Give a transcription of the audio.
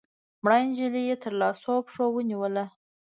مړه نجلۍ يې تر لاسو او پښو ونيوله